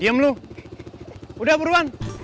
diem lo udah buruan